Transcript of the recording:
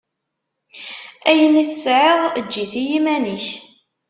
Ayen i tesɛiḍ, eǧǧ-it i yiman-ik.